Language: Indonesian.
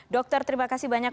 dokter terima kasih banyak